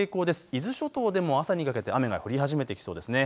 伊豆諸島でも朝にかけて雨が降り始めてきそうですね。